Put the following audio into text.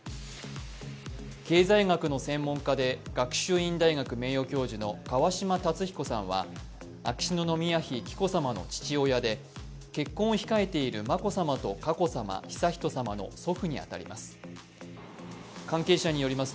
経済学の専門家で学習院大学名誉教授の川嶋辰彦さんは秋篠宮妃・紀子さまの父親で結婚を控えている眞子さまと佳子さま、悠仁さまの祖父に当たります。